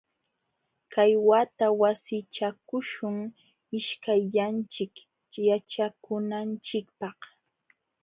Kay wata wasichakuśhun ishkayllanchik yaćhakunanchikpaq.